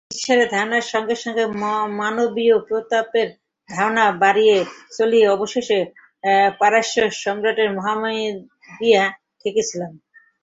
ঈশ্বরের ধারণার সঙ্গে সঙ্গে মানবীয় প্রতাপের ধারণাও বাড়িয়া চলিয়া অবশেষে পারস্যসম্রাটের মহামহিমায় গিয়া ঠেকিয়াছিল।